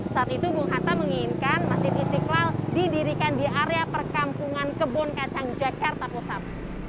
saat itu bung hatta menginginkan masjid istiqlal didirikan di area perkampungan kebun kacang jakarta pusat